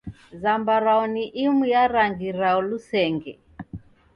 Zambarau ni imu ya rangi ra lusenge.